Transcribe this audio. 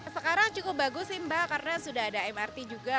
sekarang cukup bagus sih mbak karena sudah ada mrt juga